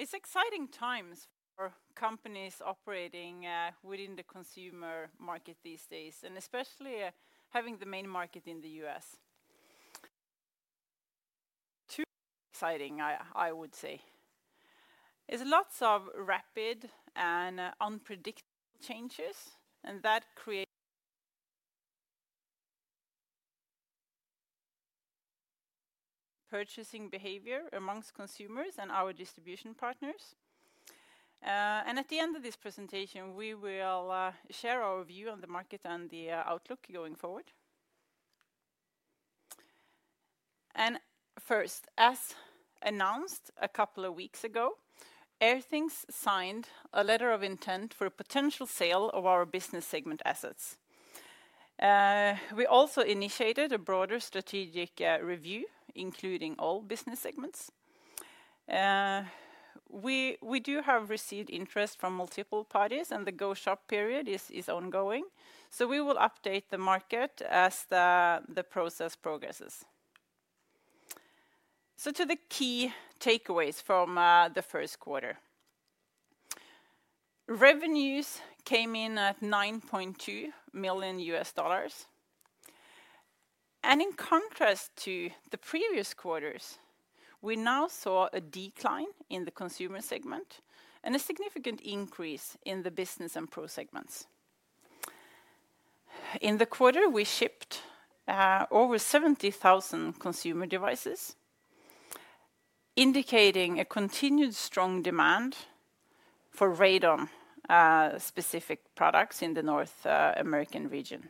It's exciting times for companies operating within the consumer market these days, and especially having the main market in the U.S.. Too exciting, I would say. There's lots of rapid and unpredictable changes, and that creates purchasing behavior amongst consumers and our distribution partners. At the end of this presentation, we will share our view on the market and the outlook going forward. First, as announced a couple of weeks ago, Airthings signed a letter of intent for a potential sale of our business segment assets. We also initiated a broader strategic review, including all business segments. We have received interest from multiple parties, and the go-shop period is ongoing. We will update the market as the process progresses. To the key takeaways from the first quarter: revenues came in at $9.2 million. In contrast to the previous quarters, we now saw a decline in the consumer segment and a significant increase in the business and pro segments. In the quarter, we shipped over 70,000 consumer devices, indicating a continued strong demand for radon-specific products in the North American region.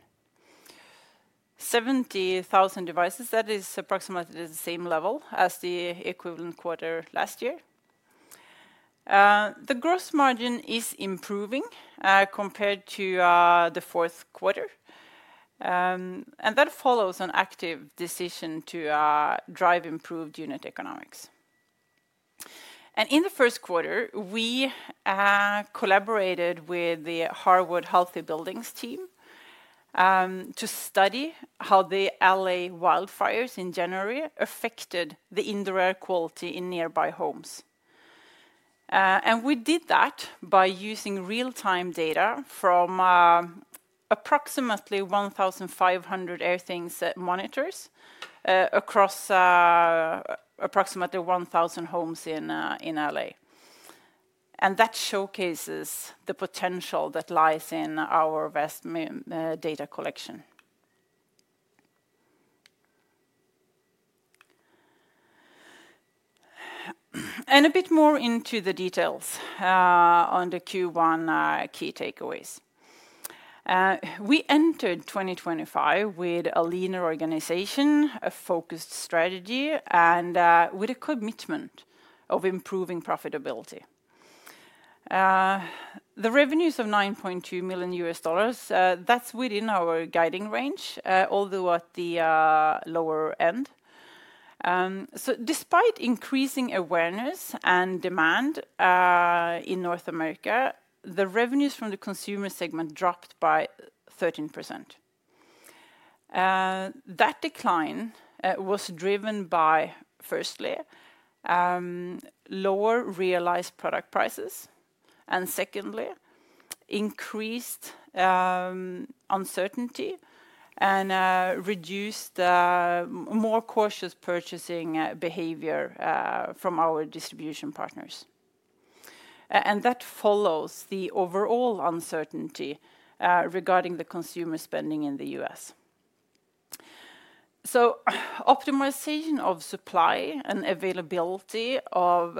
70,000 devices, that is approximately the same level as the equivalent quarter last year. The gross margin is improving compared to the fourth quarter, and that follows an active decision to drive improved unit economics. In the first quarter, we collaborated with the Harvard Healthy Buildings team to study how the LA wildfires in January affected the indoor air quality in nearby homes. We did that by using real-time data from approximately 1,500 Airthings monitors across approximately 1,000 homes in L.A.. That showcases the potential that lies in our vast data collection. A bit more into the details on the Q1 key takeaways. We entered 2025 with a leaner organization, a focused strategy, and with a commitment of improving profitability. The revenues of $9.2 million, that's within our guiding range, although at the lower end. Despite increasing awareness and demand in North America, the revenues from the consumer segment dropped by 13%. That decline was driven by, firstly, lower realized product prices, and secondly, increased uncertainty and reduced, more cautious purchasing behavior from our distribution partners. That follows the overall uncertainty regarding the consumer spending in the U.S.. Optimization of supply and availability of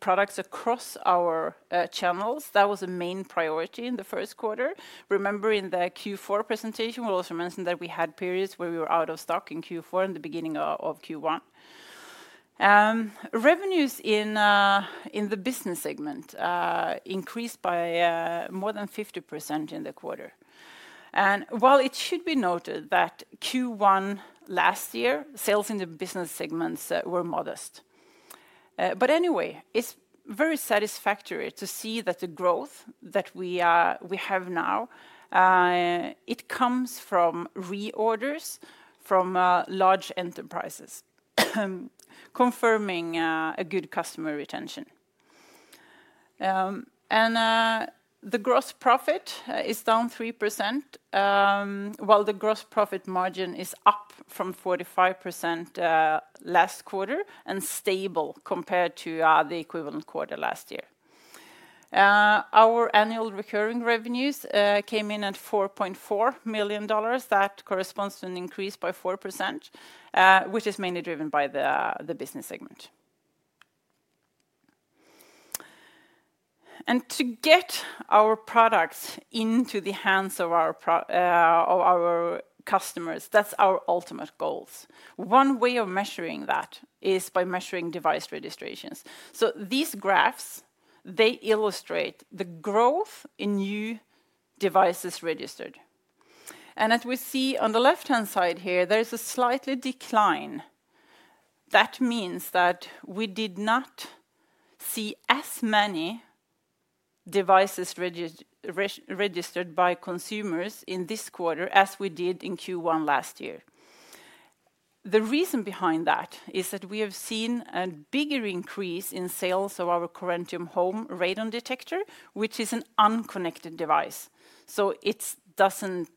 products across our channels was a main priority in the first quarter. Remember, in the Q4 presentation, we also mentioned that we had periods where we were out of stock in Q4 and the beginning of Q1. Revenues in the business segment increased by more than 50% in the quarter. It should be noted that Q1 last year, sales in the business segments were modest. Anyway, it is very satisfactory to see that the growth that we have now, it comes from reorders from large enterprises, confirming a good customer retention. The gross profit is down 3%, while the gross profit margin is up from 45% last quarter and stable compared to the equivalent quarter last year. Our annual recurring revenues came in at $4.4 million. That corresponds to an increase by 4%, which is mainly driven by the business segment. To get our products into the hands of our customers, that is our ultimate goals. One way of measuring that is by measuring device registrations. These graphs illustrate the growth in new devices registered. As we see on the left-hand side here, there is a slight decline. That means that we did not see as many devices registered by consumers in this quarter as we did in Q1 last year. The reason behind that is that we have seen a bigger increase in sales of our Corentium Home Radon Detector, which is an unconnected device. It does not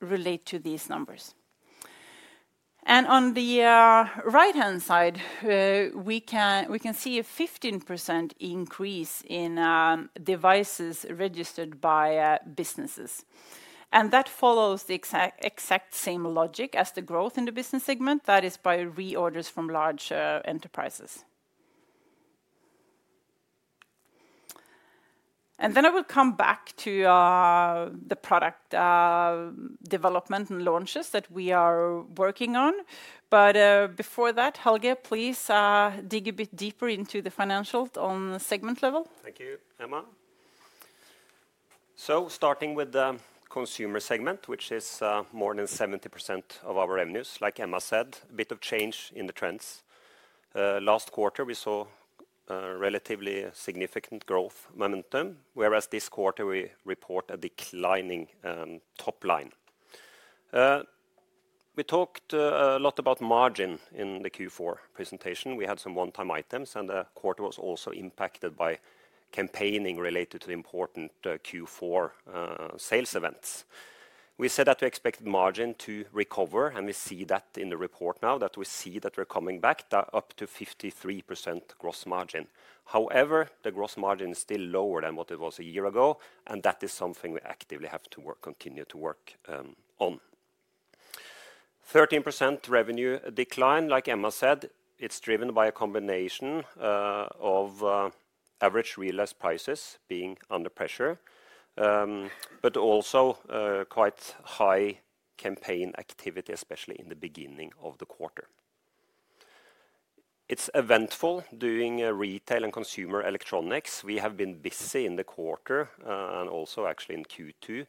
relate to these numbers. On the right-hand side, we can see a 15% increase in devices registered by businesses. That follows the exact same logic as the growth in the business segment, that is by reorders from large enterprises. I will come back to the product development and launches that we are working on. Before that, Helge, please dig a bit deeper into the financials on the segment level. Thank you, Emma. Starting with the consumer segment, which is more than 70% of our revenues, like Emma said, a bit of change in the trends. Last quarter, we saw relatively significant growth momentum, whereas this quarter, we report a declining top line. We talked a lot about margin in the Q4 presentation. We had some one-time items, and the quarter was also impacted by campaigning related to important Q4 sales events. We said that we expected margin to recover, and we see that in the report now that we see that we're coming back up to 53% gross margin. However, the gross margin is still lower than what it was a year ago, and that is something we actively have to continue to work on. 13% revenue decline, like Emma said, it's driven by a combination of average realized prices being under pressure, but also quite high campaign activity, especially in the beginning of the quarter. It's eventful doing retail and consumer electronics. We have been busy in the quarter and also actually in Q2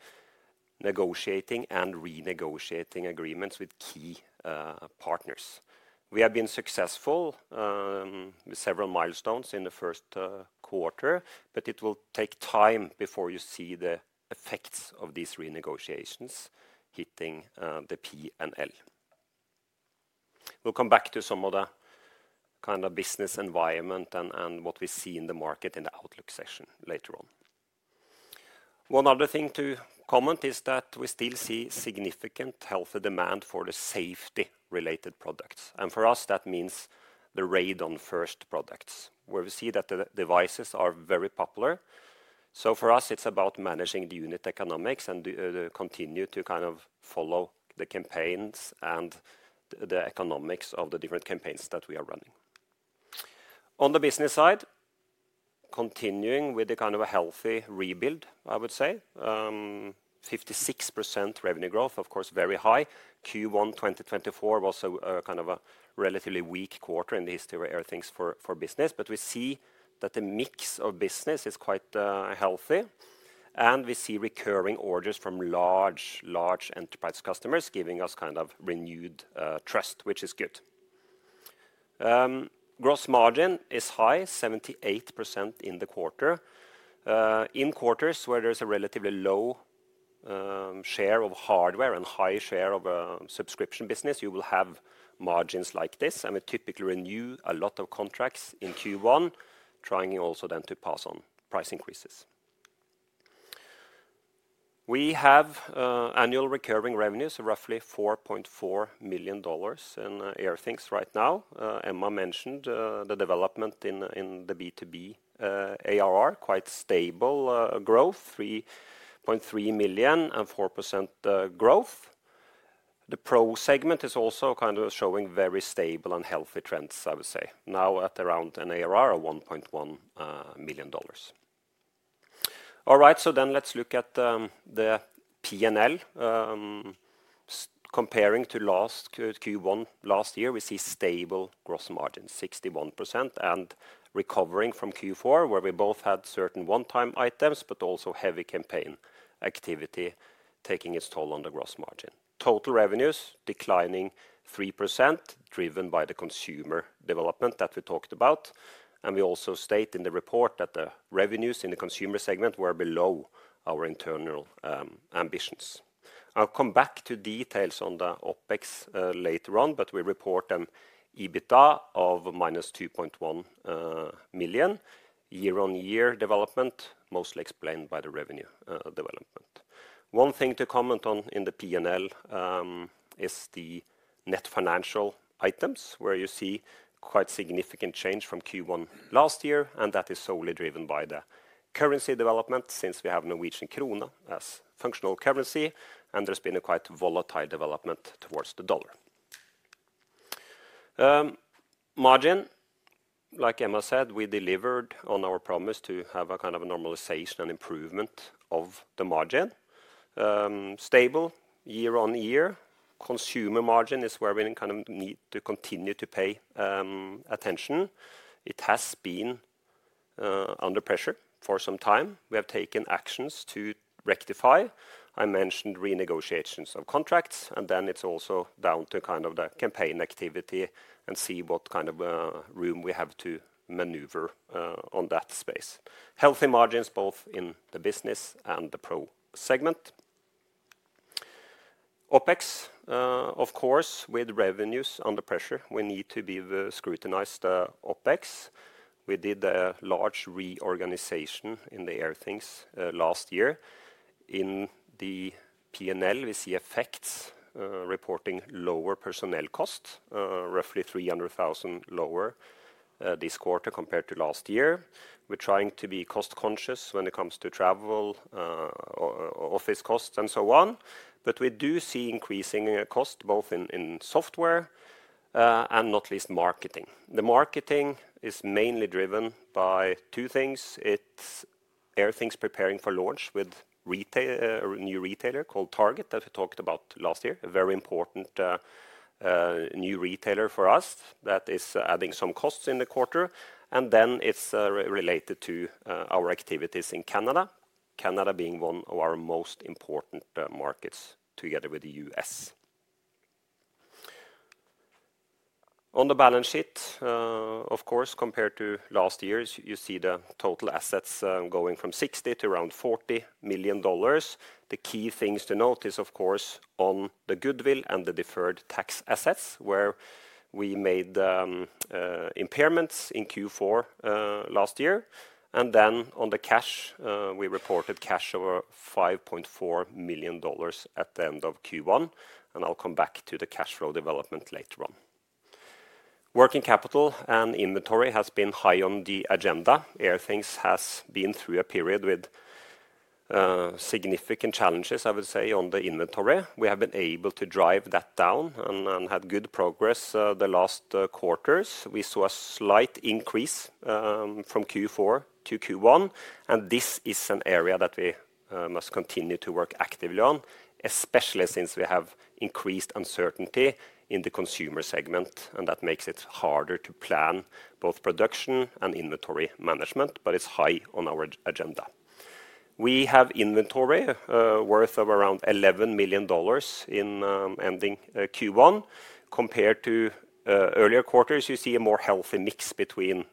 negotiating and renegotiating agreements with key partners. We have been successful with several milestones in the first quarter, but it will take time before you see the effects of these renegotiations hitting the P&L. We'll come back to some of the kind of business environment and what we see in the market in the Outlook session later on. One other thing to comment is that we still see significant healthy demand for the safety-related products. For us, that means the radon-first products, where we see that the devices are very popular. For us, it's about managing the unit economics and continue to kind of follow the campaigns and the economics of the different campaigns that we are running. On the business side, continuing with the kind of a healthy rebuild, I would say, 56% revenue growth, of course, very high. Q1 2024 was a kind of a relatively weak quarter in the history of Airthings for business, but we see that the mix of business is quite healthy, and we see recurring orders from large, large enterprise customers giving us kind of renewed trust, which is good. Gross margin is high, 78% in the quarter. In quarters where there's a relatively low share of hardware and high share of a subscription business, you will have margins like this, and we typically renew a lot of contracts in Q1, trying also then to pass on price increases. We have annual recurring revenues of roughly $4.4 million in Airthings right now. Emma mentioned the development in the B2B ARR, quite stable growth, $3.3 million and 4% growth. The pro segment is also kind of showing very stable and healthy trends, I would say, now at around an ARR of $1.1 million. All right, so then let's look at the P&L. Comparing to last Q1 last year, we see stable gross margin, 61%, and recovering from Q4, where we both had certain one-time items, but also heavy campaign activity taking its toll on the gross margin. Total revenues declining 3%, driven by the consumer development that we talked about. We also state in the report that the revenues in the consumer segment were below our internal ambitions. I'll come back to details on the OpEx later on, but we report an EBITDA of minus $2.1 million, year-on-year development, mostly explained by the revenue development. One thing to comment on in the P&L is the net financial items, where you see quite significant change from Q1 last year, and that is solely driven by the currency development since we have Norwegian krone as functional currency, and there's been a quite volatile development towards the dollar. Margin, like Emma said, we delivered on our promise to have a kind of normalization and improvement of the margin. Stable year-on-year, consumer margin is where we kind of need to continue to pay attention. It has been under pressure for some time. We have taken actions to rectify. I mentioned renegotiations of contracts, and then it's also down to kind of the campaign activity and see what kind of room we have to maneuver on that space. Healthy margins both in the business and the Pro segment. OpEx, of course, with revenues under pressure, we need to scrutinize OpEx. We did a large reorganization in Airthings last year. In the P&L, we see effects reporting lower personnel costs, roughly $300,000 lower this quarter compared to last year. We're trying to be cost-conscious when it comes to travel, office costs, and so on. We do see increasing costs both in software and not least marketing. The marketing is mainly driven by two things. Airthings is preparing for launch with a new retailer called Target that we talked about last year, a very important new retailer for us that is adding some costs in the quarter. It is related to our activities in Canada, Canada being one of our most important markets together with the U.S.. On the balance sheet, of course, compared to last year, you see the total assets going from $60 million to around $40 million. The key things to note are, of course, on the goodwill and the deferred tax assets, where we made impairments in Q4 last year. On the cash, we reported cash over $5.4 million at the end of Q1. I will come back to the cash flow development later on. Working capital and inventory have been high on the agenda. Airthings has been through a period with significant challenges, I would say, on the inventory. We have been able to drive that down and had good progress the last quarters. We saw a slight increase from Q4 to Q1. This is an area that we must continue to work actively on, especially since we have increased uncertainty in the consumer segment, and that makes it harder to plan both production and inventory management, but it's high on our agenda. We have inventory worth around $11 million in ending Q1. Compared to earlier quarters, you see a more healthy mix between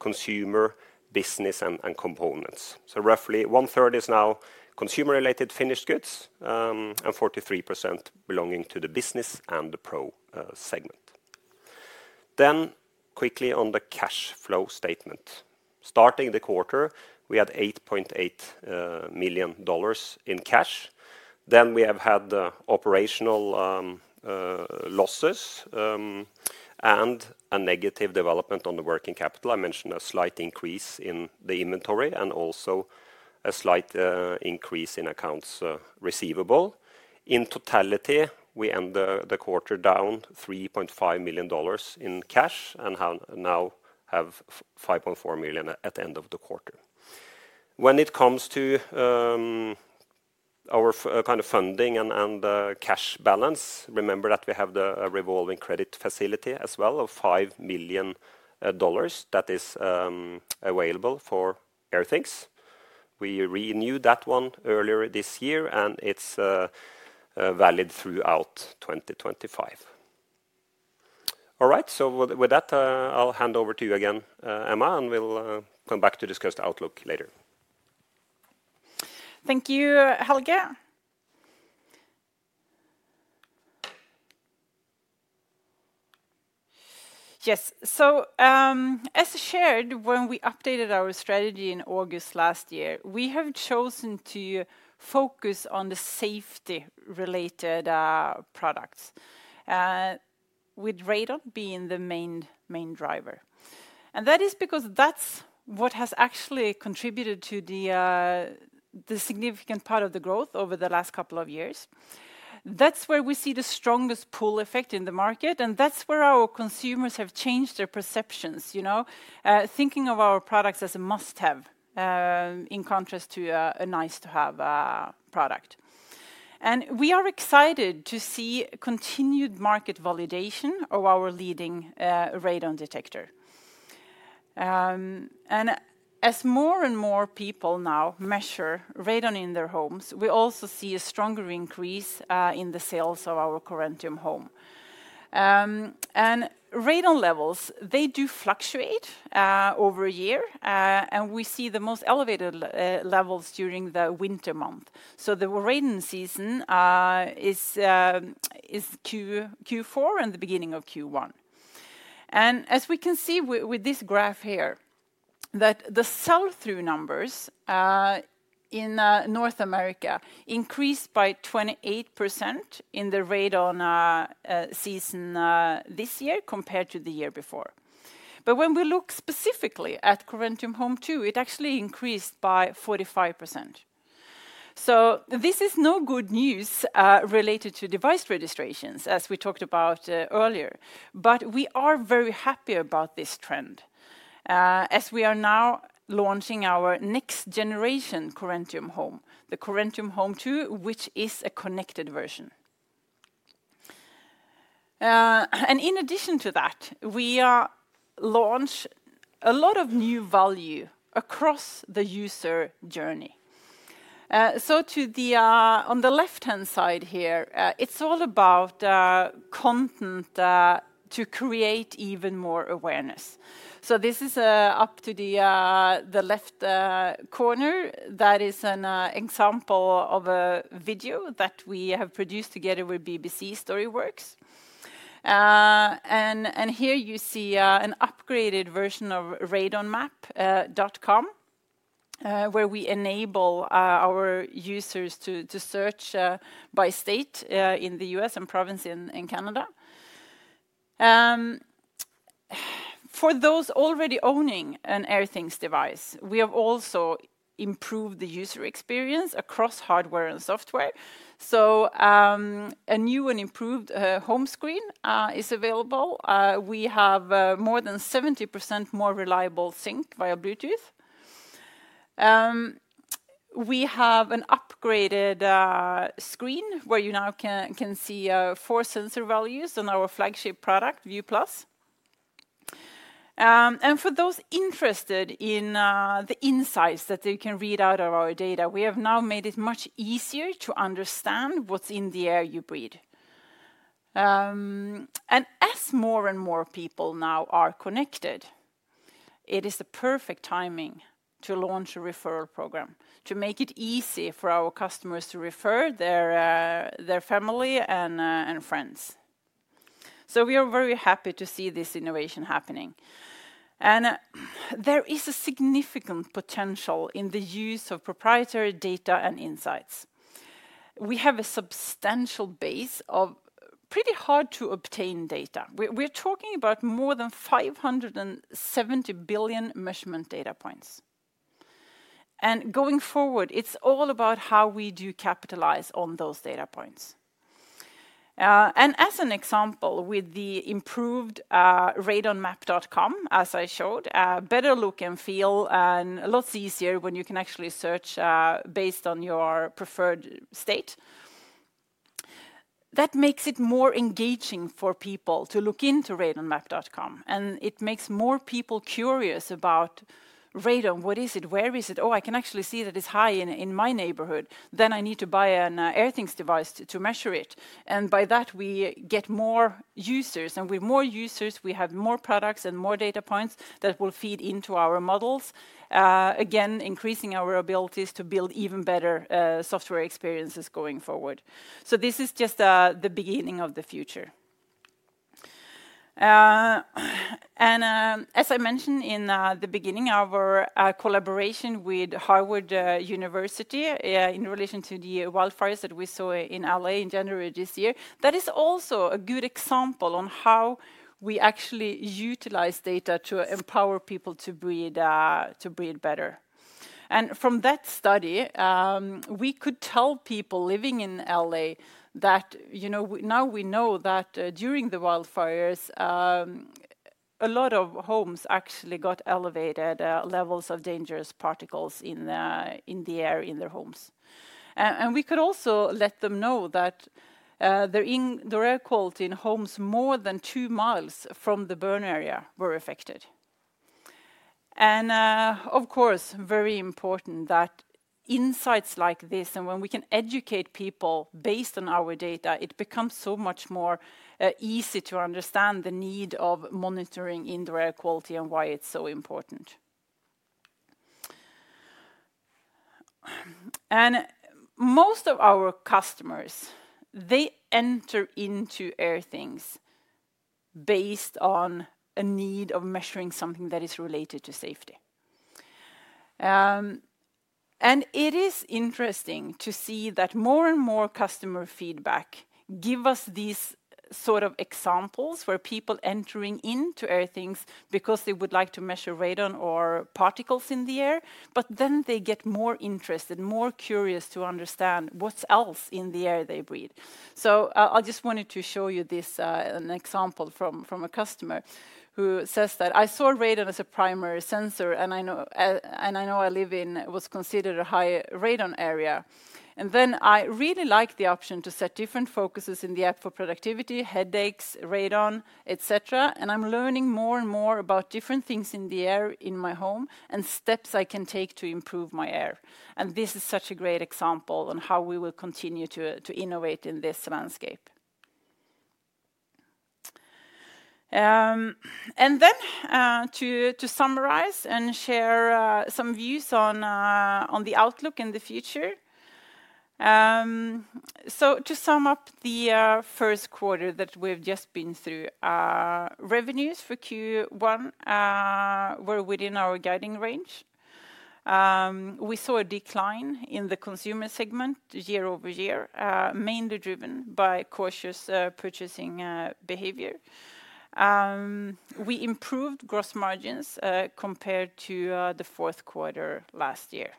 consumer, business, and components. Roughly one-third is now consumer-related finished goods and 43% belonging to the business and the pro segment. Quickly on the cash flow statement. Starting the quarter, we had $8.8 million in cash. We have had operational losses and a negative development on the working capital. I mentioned a slight increase in the inventory and also a slight increase in accounts receivable. In totality, we end the quarter down $3.5 million in cash and now have $5.4 million at the end of the quarter. When it comes to our kind of funding and cash balance, remember that we have the revolving credit facility as well of $5 million that is available for Airthings. We renewed that one earlier this year, and it's valid throughout 2025. All right, with that, I'll hand over to you again, Emma, and we'll come back to discuss the outlook later. Thank you, Helge. Yes, as shared, when we updated our strategy in August last year, we have chosen to focus on the safety-related products, with radon being the main driver. That is because that is what has actually contributed to the significant part of the growth over the last couple of years. That is where we see the strongest pull effect in the market, and that is where our consumers have changed their perceptions, you know, thinking of our products as a must-have in contrast to a nice-to-have product. We are excited to see continued market validation of our leading radon detector. As more and more people now measure radon in their homes, we also see a stronger increase in the sales of our Corentium Home. Radon levels, they do fluctuate over a year, and we see the most elevated levels during the winter month. The radon season is Q4 and the beginning of Q1. As we can see with this graph here, the sell-through numbers in North America increased by 28% in the radon season this year compared to the year before. When we look specifically at Corentium Home 2, it actually increased by 45%. This is no good news related to device registrations, as we talked about earlier, but we are very happy about this trend as we are now launching our next-generation Corentium Home, the Corentium Home 2, which is a connected version. In addition to that, we launch a lot of new value across the user journey. On the left-hand side here, it is all about content to create even more awareness. Up to the left corner, that is an example of a video that we have produced together with BBC StoryWorks. Here you see an upgraded version of radonmap.com, where we enable our users to search by state in the U.S. and provinces in Canada. For those already owning an Airthings device, we have also improved the user experience across hardware and software. A new and improved home screen is available. We have more than 70% more reliable sync via bluetooth. We have an upgraded screen where you now can see four sensor values on our flagship product, View Plus. For those interested in the insights that they can read out of our data, we have now made it much easier to understand what is in the air you breathe. As more and more people now are connected, it is the perfect timing to launch a referral program to make it easy for our customers to refer their family and friends. We are very happy to see this innovation happening. There is a significant potential in the use of proprietary data and insights. We have a substantial base of pretty hard-to-obtain data. We are talking about more than 570 billion measurement data points. Going forward, it is all about how we do capitalize on those data points. As an example, with the improved radonmap.com, as I showed, better look and feel and lots easier when you can actually search based on your preferred state. That makes it more engaging for people to look into radonmap.com, and it makes more people curious about radon. What is it? Where is it? Oh, I can actually see that it is high in my neighborhood. I need to buy an Airthings device to measure it. By that, we get more users, and with more users, we have more products and more data points that will feed into our models, again, increasing our abilities to build even better software experiences going forward. This is just the beginning of the future. As I mentioned in the beginning, our collaboration with Harvard University in relation to the wildfires that we saw in Los Angeles in January this year, that is also a good example of how we actually utilize data to empower people to breathe better. From that study, we could tell people living in L.A. that, you know, now we know that during the wildfires, a lot of homes actually got elevated levels of dangerous particles in the air in their homes. We could also let them know that the air quality in homes more than two mi from the burn area were affected. Of course, very important that insights like this, and when we can educate people based on our data, it becomes so much more easy to understand the need of monitoring indoor air quality and why it is so important. Most of our customers, they enter into Airthings based on a need of measuring something that is related to safety. It is interesting to see that more and more customer feedback gives us these sort of examples where people are entering into Airthings because they would like to measure radon or particles in the air, but then they get more interested, more curious to understand what is else in the air they breathe. I just wanted to show you this example from a customer who says that I saw radon as a primary sensor, and I know I live in what is considered a high radon area. I really liked the option to set different focuses in the app for productivity, headaches, radon, etc. I am learning more and more about different things in the air in my home and steps I can take to improve my air. This is such a great example of how we will continue to innovate in this landscape. To summarize and share some views on the outlook in the future, to sum up the first quarter that we have just been through, revenues for Q1 were within our guiding range. We saw a decline in the consumer segment year over year, mainly driven by cautious purchasing behavior. We improved gross margins compared to the fourth quarter last year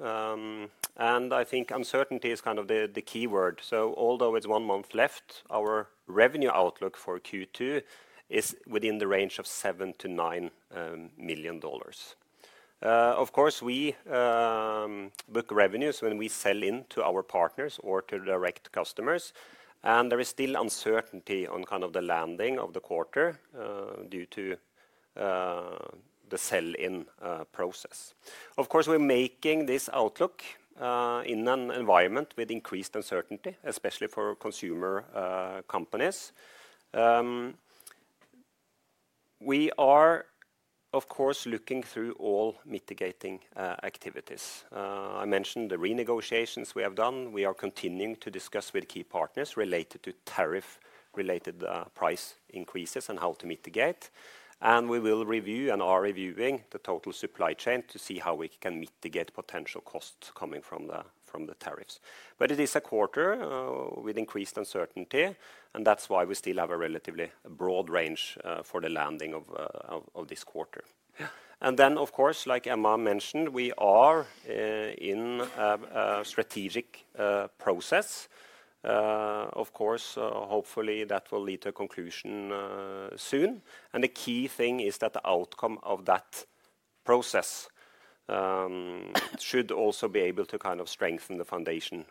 and stable compared to Q1 last year. Helge, would you like to share a bit on our... On the outlook? Today is the 28th of May, so it's only one month left of Q2. I think uncertainty is kind of the key word. Although it's one month left, our revenue outlook for Q2 is within the range of $7-$9 million. Of course, we book revenues when we sell into our partners or to direct customers. There is still uncertainty on the landing of the quarter due to the sell-in process. We're making this outlook in an environment with increased uncertainty, especially for consumer companies. We are looking through all mitigating activities. I mentioned the renegotiations we have done. We are continuing to discuss with key partners related to tariff-related price increases and how to mitigate. We will review and are reviewing the total supply chain to see how we can mitigate potential costs coming from the tariffs. It is a quarter with increased uncertainty, and that is why we still have a relatively broad range for the landing of this quarter. Of course, like Emma mentioned, we are in a strategic process. Hopefully that will lead to a conclusion soon. The key thing is that the outcome of that process should also be able to kind of strengthen the foundation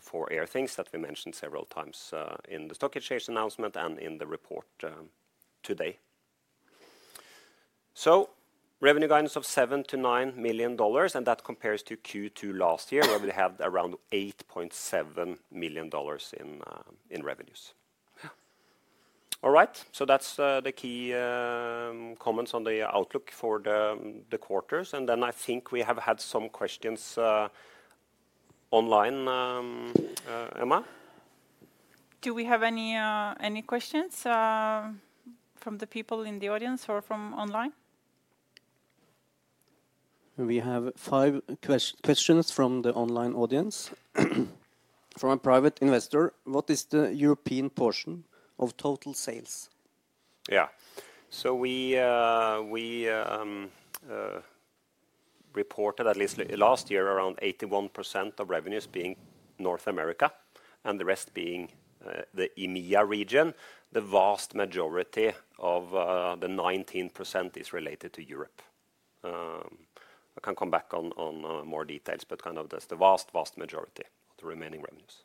for Airthings that we mentioned several times in the stock exchange announcement and in the report today. Revenue guidance of $7-$9 million, and that compares to Q2 last year where we had around $8.7 million in revenues. All right, that is the key comments on the outlook for the quarters. I think we have had some questions online, Emma. Do we have any questions from the people in the audience or from online? We have five questions from the online audience. From a private investor, what is the european portion of total sales? Yeah, so we reported at least last year around 81% of revenues being North America and the rest being the EMEA region. The vast majority of the 19% is related to Europe. I can come back on more details, but kind of the vast, vast majority of the remaining revenues.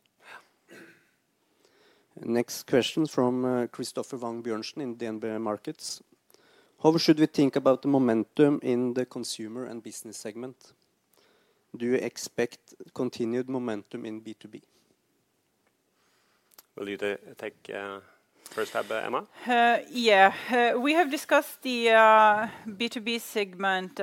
Next question from Christopher Vang Bjørnsen in DNB Markets. How should we think about the momentum in the consumer and business segment? Do you expect continued momentum in B2B? Will you take first, Emma? Yeah, we have discussed the B2B segment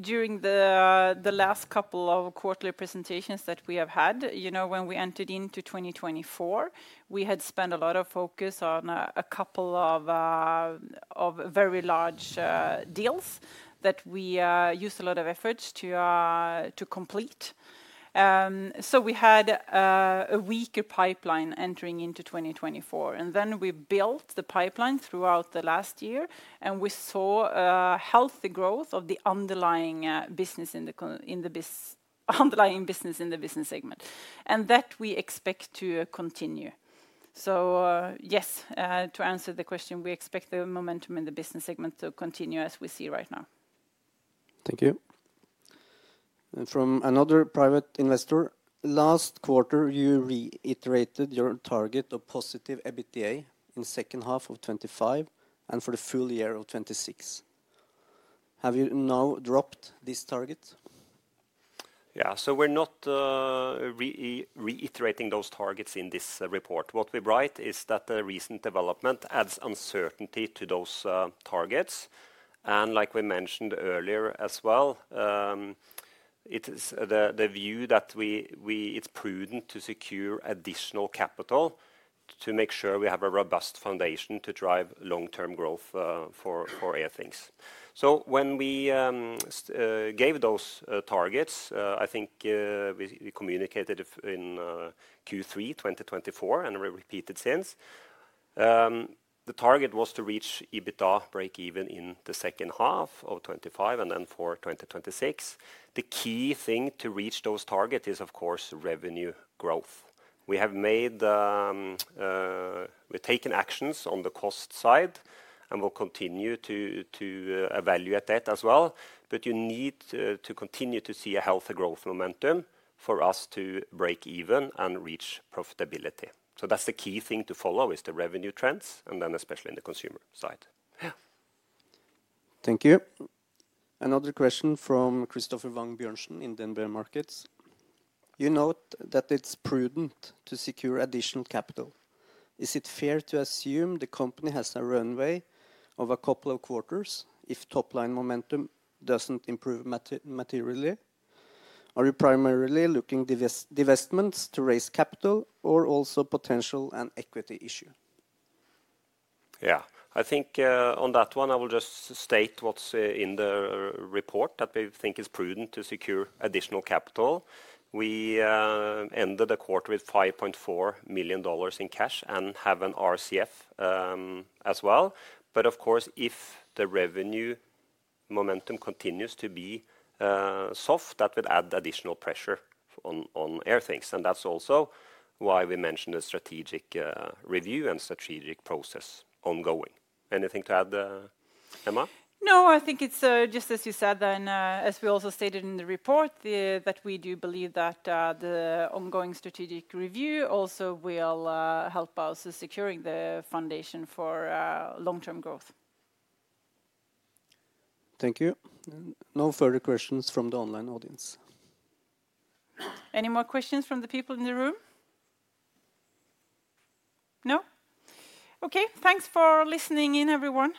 during the last couple of quarterly presentations that we have had. You know, when we entered into 2024, we had spent a lot of focus on a couple of very large deals that we used a lot of efforts to complete. We had a weaker pipeline entering into 2024, and then we built the pipeline throughout the last year, and we saw healthy growth of the underlying business in the business segment, and that we expect to continue. Yes, to answer the question, we expect the momentum in the business segment to continue as we see right now. Thank you. From another private investor, last quarter, you reiterated your target of positive EBITDA in the second half of 2025 and for the full year of 2026. Have you now dropped this target? Yeah, so we're not reiterating those targets in this report. What we write is that the recent development adds uncertainty to those targets. Like we mentioned earlier as well, it's the view that it's prudent to secure additional capital to make sure we have a robust foundation to drive long-term growth for Airthings. When we gave those targets, I think we communicated in Q3 2024, and we repeated since. The target was to reach EBITDA break-even in the second half of 2025 and then for 2026. The key thing to reach those targets is, of course, revenue growth. We have taken actions on the cost side and will continue to evaluate that as well. You need to continue to see a healthy growth momentum for us to break even and reach profitability. That's the key thing to follow is the revenue trends and then especially in the consumer side. Thank you. Another question from Christopher Vang Bjørnsen in DNB Markets. You note that it's prudent to secure additional capital. Is it fair to assume the company has a runway of a couple of quarters if top-line momentum doesn't improve materially? Are you primarily looking at divestments to raise capital or also potential equity issue? Yeah, I think on that one, I will just state what's in the report that we think is prudent to secure additional capital. We ended the quarter with $5.4 million in cash and have an RCF as well. Of course, if the revenue momentum continues to be soft, that would add additional pressure on Airthings. That is also why we mentioned the strategic review and strategic process ongoing. Anything to add, Emma? No, I think it's just as you said and as we also stated in the report that we do believe that the ongoing strategic review also will help us securing the foundation for long-term growth. Thank you. No further questions from the online audience. Any more questions from the people in the room? No? Okay, thanks for listening in, everyone.